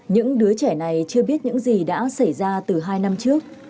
những đứa trẻ này chưa biết những gì đã xảy ra từ hai năm trước